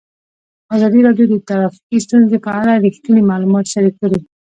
ازادي راډیو د ټرافیکي ستونزې په اړه رښتیني معلومات شریک کړي.